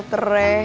wah itu enak bny